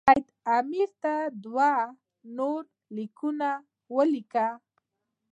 سید امیر ته دوه نور لیکونه ولیکل.